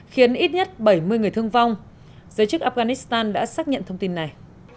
khiến ít nhất bảy mươi người thương vong giới chức afghanistan đã xác nhận thông tin này